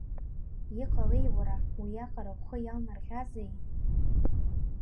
Иҟалеи уара, уиаҟара ухы иалнарҟьазеи?!